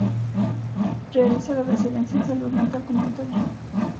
Realiza la Residencia en Salud Mental Comunitaria.